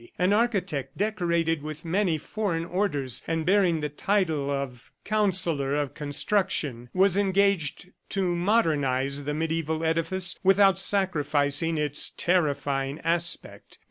An architect, decorated with many foreign orders, and bearing the title of "Councillor of Construction," was engaged to modernize the mediaeval edifice without sacrificing its terrifying aspect.